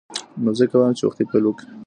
نو ځکه وایم چې وختي پیل وکړئ.